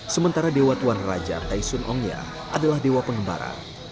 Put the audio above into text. sementara dewa tuan raja taisun ongya adalah dewa pengembara